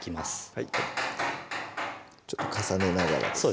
はいちょっと重ねながらですね